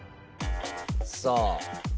「さあ」